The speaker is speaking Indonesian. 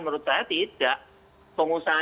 menurut saya tidak pengusaha